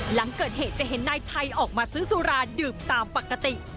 หลังเกิดเหตุจะเห็นนายไทยออกมาซื้อสุราดื่มตามปกติ